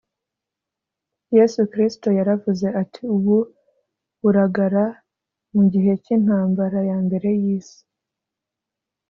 yesu kristo yaravuze ati ubu buragara mu gihe cy intambara ya mbere y isi